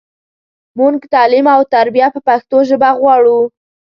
مونږ تعلیم او تربیه په پښتو ژبه غواړو.